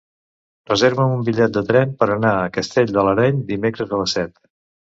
Reserva'm un bitllet de tren per anar a Castell de l'Areny dimecres a les set.